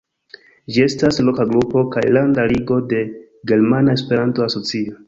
Ĝi estas loka grupo kaj landa ligo de Germana Esperanto-Asocio.